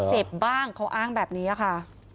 เสพบ้างเขาอ้างแบบนี้ค่ะ